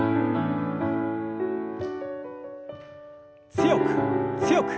強く強く。